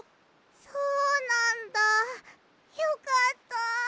そうなんだよかった。